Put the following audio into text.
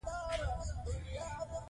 هم له خپلو هم پردیو ظالمانو